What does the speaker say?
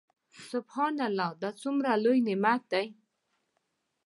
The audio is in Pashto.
سبحان الله دا څومره لوى نعمت دى.